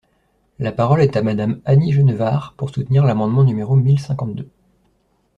La parole est à Madame Annie Genevard, pour soutenir l’amendement numéro mille cinquante-deux.